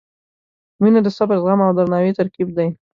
• مینه د صبر، زغم او درناوي ترکیب دی.